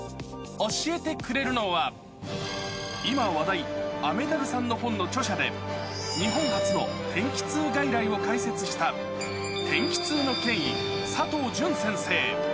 教えてくれるのは、今話題、雨ダルさんの本の著者で、日本初の天気痛外来を開設した天気痛の権威、佐藤純先生。